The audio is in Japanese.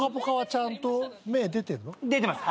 出てます。